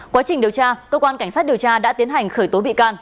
quá trình điều tra cơ quan cảnh sát điều tra đã tiến hành khởi tố bị can